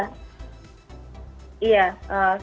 sekarang mereka memiliki tujuan yang lebih mulia yaitu membuka kesalahan